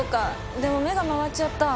でも目が回っちゃった。